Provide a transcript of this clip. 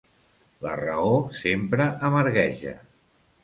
La raó sempre amargueja.